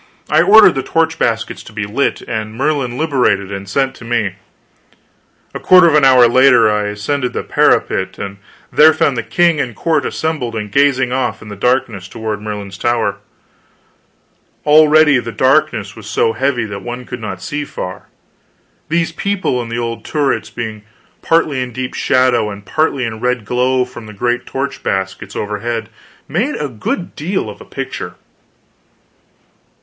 I ordered the torch baskets to be lit, and Merlin liberated and sent to me. A quarter of an hour later I ascended the parapet and there found the king and the court assembled and gazing off in the darkness toward Merlin's Tower. Already the darkness was so heavy that one could not see far; these people and the old turrets, being partly in deep shadow and partly in the red glow from the great torch baskets overhead, made a good deal of a picture.